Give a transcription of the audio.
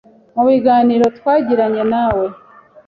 Mu biganiro twagiranye nawe